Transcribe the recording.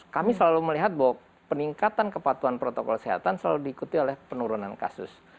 kami selalu melihat bahwa peningkatan kepatuhan protokol kesehatan selalu diikuti oleh penurunan kasus